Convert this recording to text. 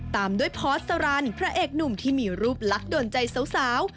ตามด้วยพอสรันพระเอกหนุ่มที่มีรูปลักษณ์โดนใจสาว